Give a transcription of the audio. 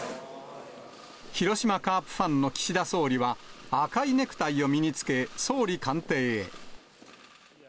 広島カープファンの岸田総理は、赤いネクタイを身につけ、総理官邸へ。